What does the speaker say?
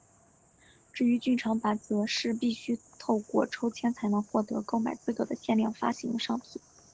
至于剧场版则是必须透过抽签才能获得购买资格的限量发行商品。